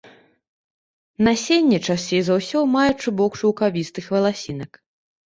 Насенне часцей за ўсё мае чубок шаўкавістых валасінак.